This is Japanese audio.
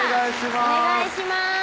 お願いします